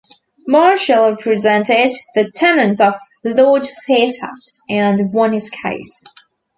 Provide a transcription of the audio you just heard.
Marshall represented the tenants of Lord Fairfax, and won his case.